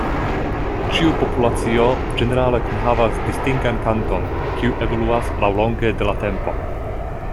Ĉiu populacio ĝenerale kunhavas distingan kanton, kiu evoluas laŭlonge de la tempo.